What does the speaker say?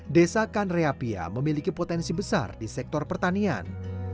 desa kanreapia memiliki potensi besar di sektor pertanian